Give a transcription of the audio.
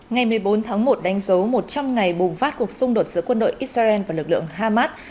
ngày một mươi bốn tháng một đánh dấu một trăm linh ngày bùng phát cuộc xung đột giữa quân đội israel và lực lượng hamas